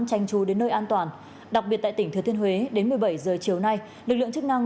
tranh trù đến nơi an toàn đặc biệt tại tỉnh thừa thiên huế đến một mươi bảy h chiều nay lực lượng chức năng